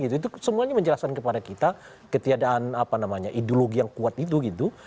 itu semuanya menjelaskan kepada kita ketiadaan ideologi yang kuat itu